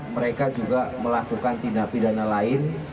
mereka juga melakukan tindak pidana lain